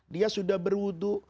dia sudah berwudu